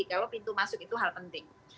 kalau pintu masuk itu hal penting